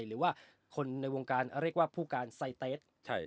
หรือว่าคนในวงการเรียกว่าผู้การไซเตส